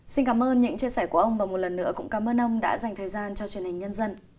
xin cảm ơn những chia sẻ của ông và một lần nữa cũng cảm ơn ông đã dành thời gian cho truyền hình nhân dân